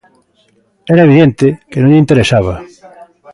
Era evidente que non lle interesaba.